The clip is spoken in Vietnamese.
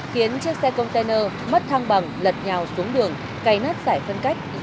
khiến chiếc xe container mất thang bằng lật nhào xuống đường cây nát xảy phân cách